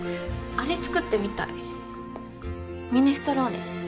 あれ作ってみたいミネストローネ。